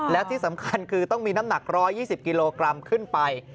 และที่สำคัญคือต้องมีน้ำหนัก๑๒๐กิโลกรัมขึ้นไป